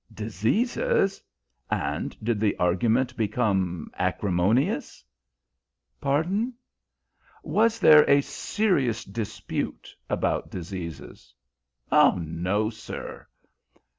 "Diseases! And did the argument become acrimonious?" "Pardon?" "Was there a serious dispute about diseases?" "No, sir."